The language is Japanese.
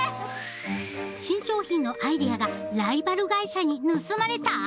新商品のアイデアがライバル会社に盗まれた！？